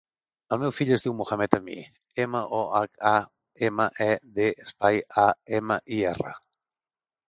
El meu fill es diu Mohamed amir: ema, o, hac, a, ema, e, de, espai, a, ema, i, erra.